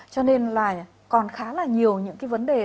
cho nên là còn khá là nhiều những cái vấn đề